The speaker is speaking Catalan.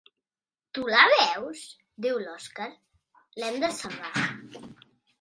Tu la veus? —diu l'Òskar— L'hem de salvar.